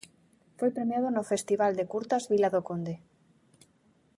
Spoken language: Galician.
Foi premiado no Festival de Curtas Vila do Conde.